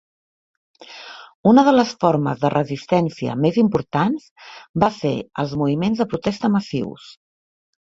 Una de les formes de resistència més importants va ser els moviments de protesta massius.